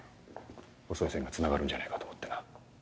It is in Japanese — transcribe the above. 細い線がつながるんじゃねえかと思ってな。